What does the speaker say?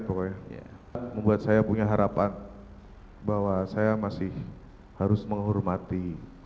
jangan sampai lihat pokoknya membuat saya punya harapan bahwa saya masih harus menghormati